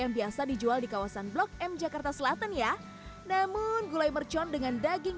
yang biasa dijual di kawasan blok m jakarta selatan ya namun gulai mercon dengan daging